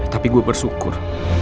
tapi gue bersyukur